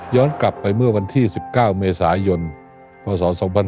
กลับไปเมื่อวันที่๑๙เมษายนพศ๒๕๖๒